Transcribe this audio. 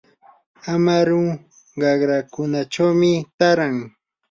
amaru qarakunachawmi taaran.